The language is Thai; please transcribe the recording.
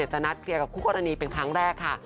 จะนัดเคลียร์กับคู่กรณีเป็นครั้งแรกค่ะ